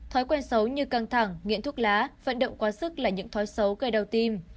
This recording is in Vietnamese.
thói quen xấu như căng thẳng nghiện thuốc lá vận động quá sức là những thói xấu gây đau tim